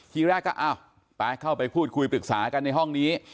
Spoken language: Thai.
ทีแรกก็อ้าวไปเข้าไปพูดคุยปรึกษากันในห้องนี้